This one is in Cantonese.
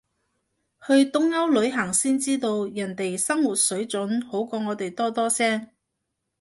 去東歐旅行先知道，人哋生活水準好過我哋多多聲